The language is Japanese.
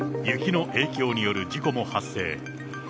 雪の影響による事故も発生。